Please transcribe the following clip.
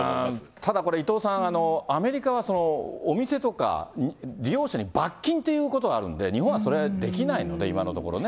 ただこれ、伊藤さん、アメリカはお店とか利用者に罰金ということがあるんで、日本はそれできないので、今のところね。